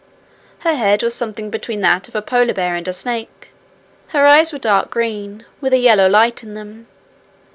Her head was something between that of a polar bear and a snake. Her eyes were dark green, with a yellow light in them.